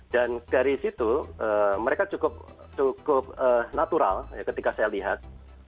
dan dari situ mereka cukup natural ketika saya lihat